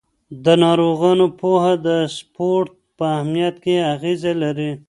د ناروغانو پوهه د سپورت په اهمیت کې اغېزه لري.